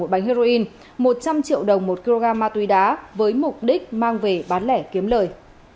một bánh heroin một trăm linh triệu đồng một kg ma túy đá với mục đích mang về bán lẻ kiếm lời